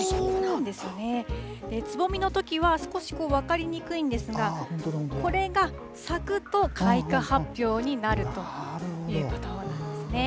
つぼみのときは少し分かりにくいんですが、これが咲くと開花発表になるということなんですね。